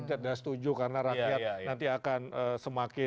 tidak setuju karena rakyat nanti akan semakin